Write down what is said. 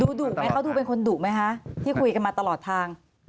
ดูดุไหมเขาดูเป็นคนดุไหมคะที่คุยกันมาตลอดทาง